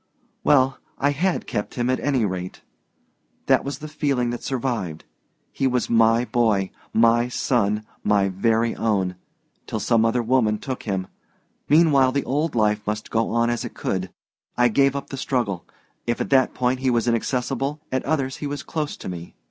"Well I had kept him, at any rate. That was the feeling that survived. He was my boy, my son, my very own till some other woman took him. Meanwhile the old life must go on as it could. I gave up the struggle. If at that point he was inaccessible, at others he was close to me.